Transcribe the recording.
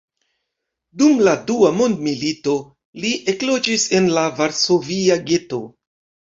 Dum la dua mondmilito li ekloĝis en la varsovia geto.